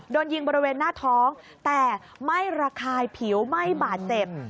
โดนยิงบริเวณหน้าท้องแต่ไม่ระคายผิวไม่บาดเจ็บ